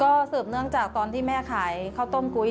ก็สืบเนื่องจากตอนที่แม่ขายข้าวต้มกุ้ย